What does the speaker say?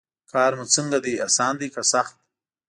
کار مو څنګه دی اسان دی که سخت.